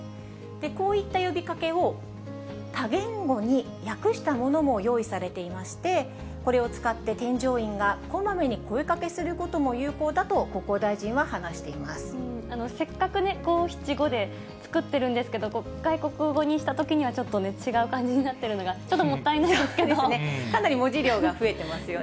こういった呼びかけを、多言語に訳したものも用意されていまして、これを使って添乗員がこまめに声かけすることも有効だと、国交大せっかくね、五七五で作ってるんですけれども、外国語にしたときには、ちょっと違う感じになってるのが、かなり文字量が増えてますよ